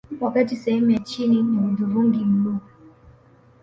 Wakati sehemu ya chini ni hudhurungi bluu